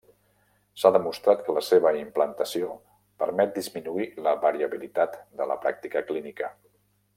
S'ha demostrat que la seva implantació permet disminuir la variabilitat de la pràctica clínica.